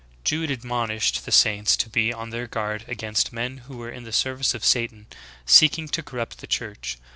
" 12. Jude admxOnished the saints to be on their guard against men who were in the service of Satan seeking to corrupt the Church.